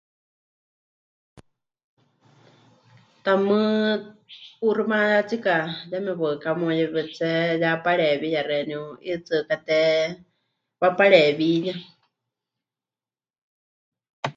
Tamɨ́ 'uuximayátsika yeme waɨká meuyewetsé ya pareewiya xeeníu,'iitsɨkáte wapareewiya.